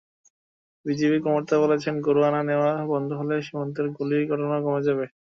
বিজিবির কর্মকর্তারা বলছেন, গরু আনা-নেওয়া বন্ধ হলে সীমান্তে গুলির ঘটনাও কমে যাবে।